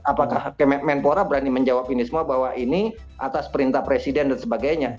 apakah kemenpora berani menjawab ini semua bahwa ini atas perintah presiden dan sebagainya